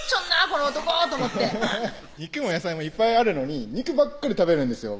この男と思って肉も野菜もいっぱいあるのに肉ばっかり食べるんですよ